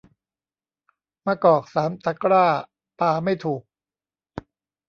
มะกอกสามตะกร้าปาไม่ถูก